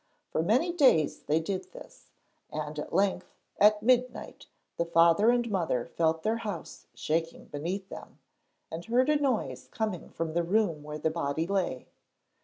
For many days they did this, and at length, at midnight, the father and mother felt their house shaking beneath them, and heard a noise coming from the room where the body lay.